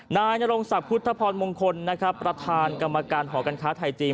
นายนรงศักดิ์พุทธพรมงคลนะครับประธานกรรมการหอการค้าไทยจีน